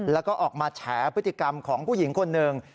แล้วก็ออกมาแฉพฤติกรรมของผู้หญิงคนหนึ่ง